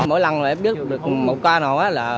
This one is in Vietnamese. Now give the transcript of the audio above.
mỗi lần em biết được một ca nào là